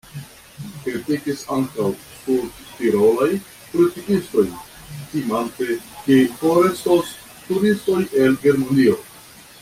Kritikis ankaŭ sudtirolaj politikistoj, timante, ke forestos turistoj el Germanio.